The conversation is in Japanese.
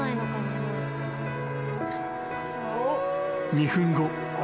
［２分後。